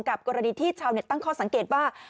กรณีที่ชาวเน็ตตั้งข้อสังเกตว่า